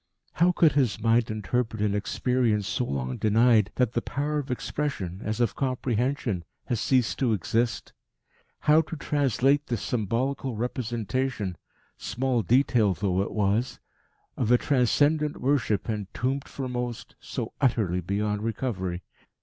How could his mind interpret an experience so long denied that the power of expression, as of comprehension, has ceased to exist? How translate this symbolical representation, small detail though it was, of a transcendent worship entombed for most so utterly beyond recovery?